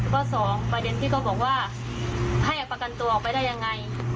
แล้วก็สองประเด็นที่ก็บอกว่าให้อักประกันตัวออกไปได้ยังไง